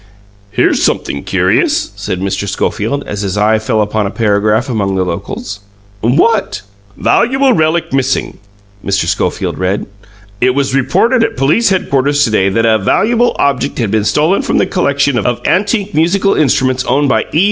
"Here's something curious," said Mr. Schofield, as his eye fell upon a paragraph among the "locals." "What?" "Valuable relic missing," Mr. Schofield read. "It was reported at police headquarters to day that a 'valuable object had been stolen from the collection of antique musical instruments owned by E.